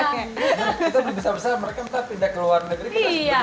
kita di besar besar mereka minta pindah ke luar negeri